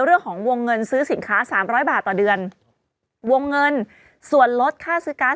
เรื่องของวงเงินซื้อสินค้าสามร้อยบาทต่อเดือนวงเงินส่วนลดค่าซื้อการ์